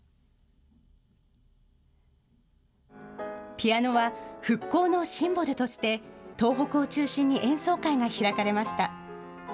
ピアノは復興のシンボルとして、東北を中心に演奏会が開かれました。